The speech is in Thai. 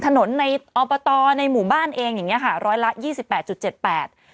ถนนในอบตในหมู่บ้านเองอย่างเงี้ค่ะร้อยละยี่สิบแปดจุดเจ็ดแปด